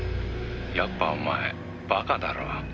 「やっぱお前バカだろ？」